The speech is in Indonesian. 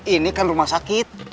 ini kan rumah sakit